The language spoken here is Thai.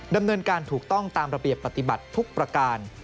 ดำเนินการถูกต้องตามระเบียบปฏิบัติทุกประการ